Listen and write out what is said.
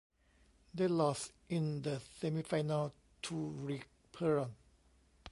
They lost in the semifinal to Rick Perron.